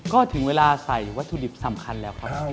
ก็ถึงเวลาใส่วัตถุดิบสำคัญแล้วครับ